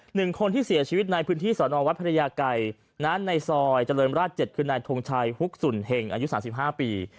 หนึ่งคนที่เสียชีวิตในพื้นที่สอนอวัดพระยาไกรนั้นในซอยเจริญราช๗คือนายทงชัยฮุกสุนเห็งอายุ๓๕ปี